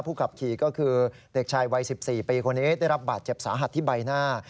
ขับขี่ก็คือเด็กชายวัย๑๔ปีคนนี้ได้รับบาดเจ็บสาหัสที่ใบหน้า